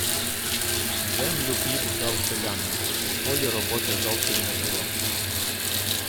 Землю піп здав селянам, - у полі роботи зовсім не було.